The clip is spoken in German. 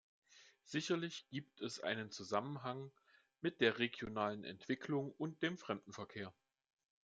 Sicherlich gibt es einen Zusammenhang mit der regionalen Entwicklung und dem Fremdenverkehr.